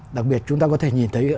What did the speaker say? đặc biệt chúng ta có thể nhìn thấy